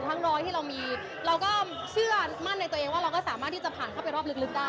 น้อยที่เรามีเราก็เชื่อมั่นในตัวเองว่าเราก็สามารถที่จะผ่านเข้าไปรอบลึกได้